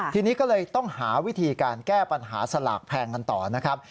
ทีนี้ก็เลยต้องหาวิธีการแก้ปัญหาสลากแพงกันต่อนะครับ